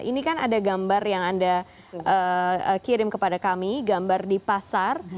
ini kan ada gambar yang anda kirim kepada kami gambar di pasar